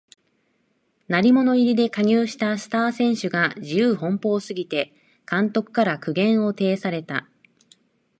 鳴り物入りで加入したスター選手が自由奔放すぎて監督から苦言を呈された